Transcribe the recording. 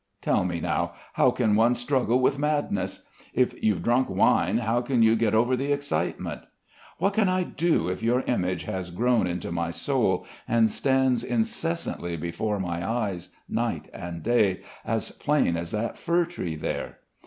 Tell me now, how can one struggle with madness? If you've drunk wine, how can you get over the excitement? What can I do if your image has grown into my soul, and stands incessantly before my eyes, night and day, as plain as that fir tree there?